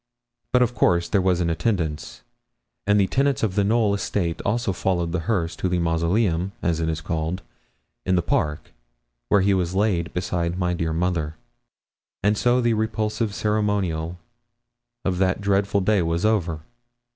But of course there was an attendance, and the tenants of the Knowl estate also followed the hearse to the mausoleum, as it is called, in the park, where he was laid beside my dear mother. And so the repulsive ceremonial of that dreadful day was over.